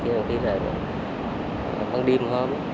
chứ không biết là bằng đêm hôm